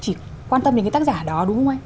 chỉ quan tâm đến cái tác giả đó đúng không anh